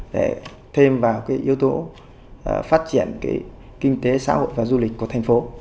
để thêm vào cái yếu tố phát triển cái kinh tế xã hội và du lịch của thành phố